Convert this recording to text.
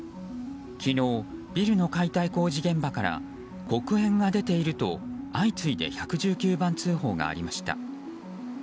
昨日、ビルの解体工事現場から黒煙が出ていると相次いで１１９番通報がありました。